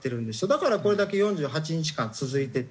だからこれだけ４８日間続いてて。